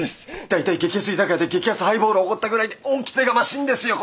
大体激安居酒屋で激安ハイボールをおごったぐらいで恩着せがましいんですよ